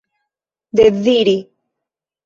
deziri